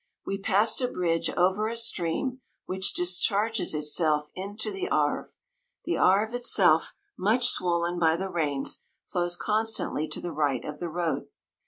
We passed a bridge over a stream, which discharges itself into the Arve. The Arve itself, much swollen by the rains, flows constantly to the right of the road.